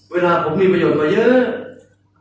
เวลาผมมีประโยชน์มาเยอะ